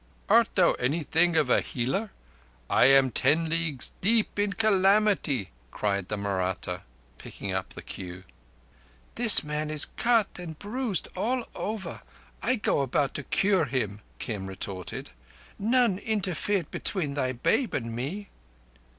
"Art thou anything of a healer? I am ten leagues deep in calamity," cried the Mahratta, picking up the cue. "This man is cut and bruised all over. I go about to cure him," Kim retorted. "None interfered between thy babe and me."